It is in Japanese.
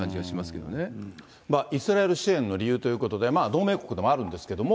けイスラエル支援の理由ということで、同盟国でもあるんですけれども。